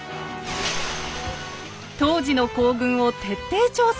当時の行軍を徹底調査。